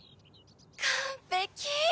完璧！